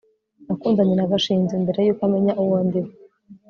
nakundanye na gashinzi mbere yuko amenya uwo ndiwe